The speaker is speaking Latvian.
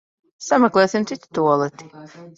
Sameklēsim citu tualeti.